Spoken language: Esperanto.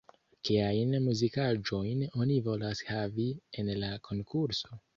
Kiajn muzikaĵojn oni volas havi en la konkurso?